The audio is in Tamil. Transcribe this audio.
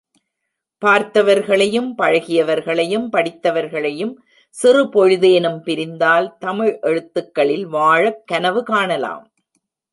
பார்த்தவர்களையும் பழகியவர்களையும் படித்தவர்களையும் சிறு பொழுதேனும் பிரிந்தால், தமிழ் எழுத்துக்களில் வாழக் கனவு காணலாம்.